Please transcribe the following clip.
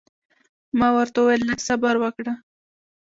ما ورته وویل لږ صبر وکړه.